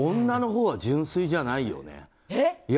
女のほうは純粋じゃないよね。